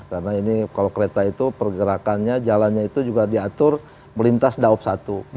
karena ini kalau kereta itu pergerakannya jalannya itu juga diatur melintas daob satu